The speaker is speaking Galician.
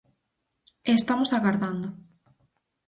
E estamos agardando.